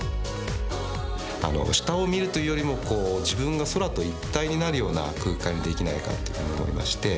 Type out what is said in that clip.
下を見るというよりも自分が空と一体になるような空間にできないかって思いまして。